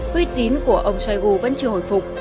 quy tín của ông shoigu vẫn chưa hồi phục